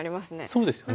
そうですよね。